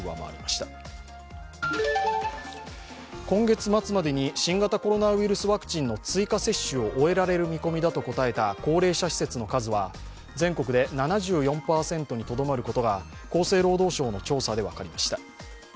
今月末までに新型コロナウイルスワクチンの追加接種を終えられる見込みだと答えた高齢者施設の数は、全国で７４％にとどまることが厚生労働省の調査で分かりました。